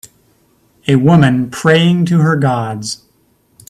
A woman praying to her gods.